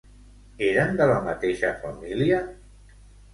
Eren de la mateixa família?